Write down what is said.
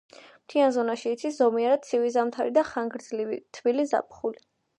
მთიან ზონაში იცის ზომიერად ცივი ზამთარი და ხანგრძლივი თბილი ზაფხული.